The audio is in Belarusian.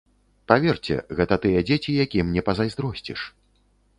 Паверце, гэта тыя дзеці, якім не пазайздросціш.